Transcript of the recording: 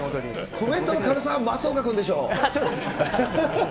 コメントの軽さは松岡君でしそうですね。